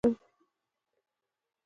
د قرقین ولسوالۍ د امو تر څنګ ده